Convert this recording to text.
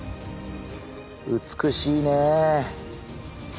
美しいねえ。